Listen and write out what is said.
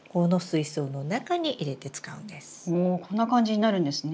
おこんな感じになるんですね。